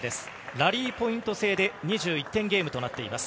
ラリーポイント制で２１点ゲームとなっています。